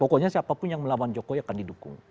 pokoknya siapapun yang melawan jokowi akan didukung